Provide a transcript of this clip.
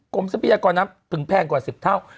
ทรัพยากรน้ำถึงแพงกว่า๑๐เท่า